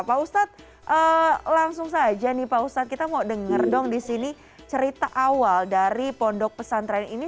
pak ustadz langsung saja nih pak ustadz kita mau dengar dong disini cerita awal dari pondok pesantren ini